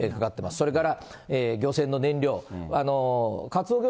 それから漁船の燃料、カツオ漁